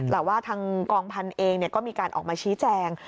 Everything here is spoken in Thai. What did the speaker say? แต่ว่าทางกองพันธุ์เองก็มีการออกมาชี้แจง